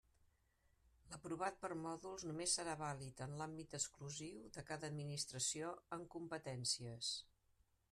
L'aprovat per mòduls només serà vàlid en l'àmbit exclusiu de cada Administració amb competències.